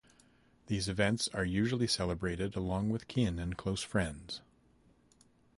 These events are usually celebrated along with kin and close friends.